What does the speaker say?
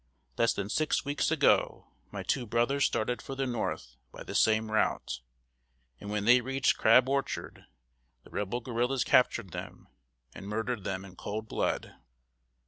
Less than six weeks ago, my two brothers started for the North by the same route; and when they reached Crab Orchard, the Rebel guerrillas captured them, and murdered them in cold blood."